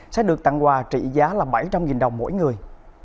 sẽ được tặng quà trị giá là bảy trăm linh đồng mỗi người